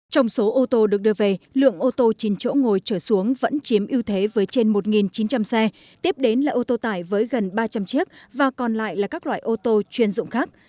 trong số ô tô được đưa về lượng ô tô chín chỗ ngồi trở xuống vẫn chiếm ưu thế với trên một chín trăm linh xe tiếp đến là ô tô tải với gần ba trăm linh chiếc và còn lại là các loại ô tô chuyên dụng khác